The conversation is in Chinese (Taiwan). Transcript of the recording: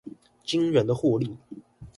驚人的獲利